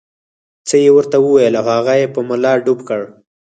څه یې ورته وویل او هغه یې په ملا ډب کړ.